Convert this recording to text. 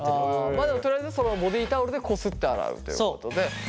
まあでもとりあえずそのボディータオルでこすって洗うということで。